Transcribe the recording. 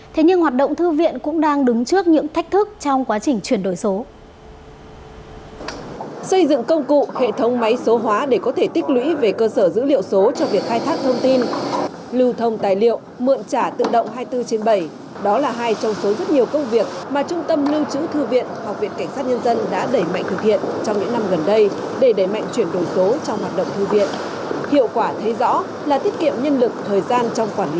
thế nhưng hoạt động thư viện cũng đang đứng trước những thách thức trong quá trình chuyển đổi số